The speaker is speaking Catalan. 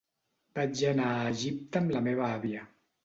Vaig anar a Egipte amb la meva àvia.